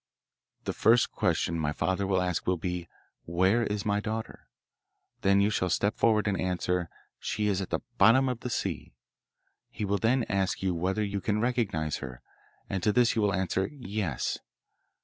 The first question my father will ask will be, "Where is my daughter?" Then you shall step forward and answer "She is at the bottom of the sea." He will then ask you whether you can recognise her, and to this you will answer "Yes."